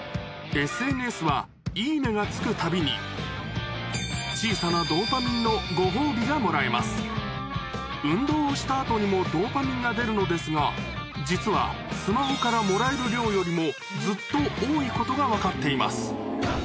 ＳＮＳは「いいね！」がつくたびに小さなドーパミンのご褒美がもらえます運動をした後にもドーパミンが出るのですが実はスマホからもらえる量よりもずっと多いことが分かっています